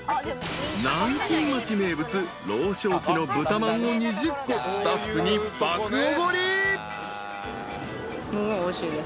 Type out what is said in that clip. ［南京町名物老祥記の豚まんを２０個スタッフに爆おごり］